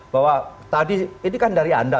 bahwa tadi ini kan dari anda